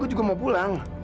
gue juga mau pulang